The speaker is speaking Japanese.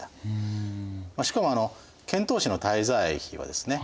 しかも遣唐使の滞在費はですね